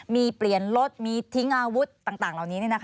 มีเปลี่ยนรถมีทิ้งอาวุธต่างเหล่านี้